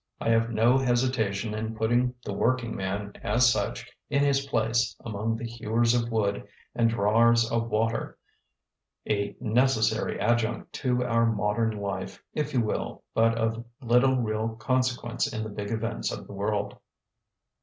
I have no hesitation in putting the Workingman, as such, in his place among the hewers of wood and drawers of water a necessary adjunct to our modern life, if you will, but of little real consequence in the big events of the world.